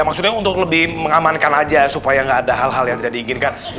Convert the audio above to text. maksudnya untuk lebih mengamankan aja supaya nggak ada hal hal yang tidak diinginkan